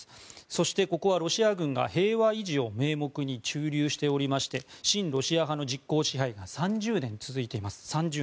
そして、ここはロシア軍が平和維持を名目に駐留していまして親ロシア派の実効支配が３０年続いています。